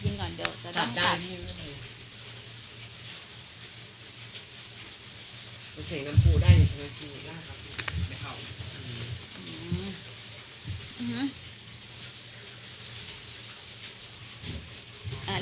อื้อฮือ